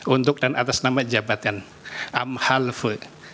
untuk dan atas nama jabatan halfud